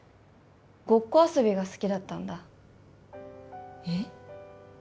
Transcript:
ごっこ遊びが好きだったんだえっ？